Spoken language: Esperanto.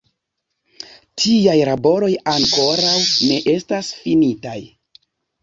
Tiaj laboroj ankoraŭ ne estas finitaj.